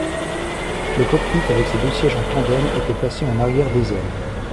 Le cockpit avec ses deux sièges en tandem était placé en arrière des ailes.